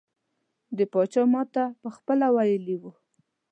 د پاچا ماته پخپله ویلي وو.